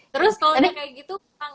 terus kalau kayak gitu